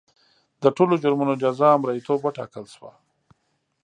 د ټولو جرمونو جزا مریتوب وټاکل شوه.